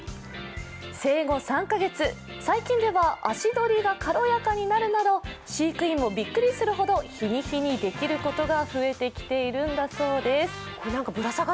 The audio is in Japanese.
生後３カ月、最近では、足取りが軽やかになるなど飼育員もびっくりするほど、日に日にできることが増えているんだそうです。